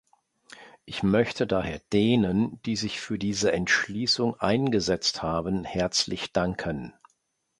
Ich möchte daher denen, die sich für diese Entschließung eingesetzt haben, herzlich danken.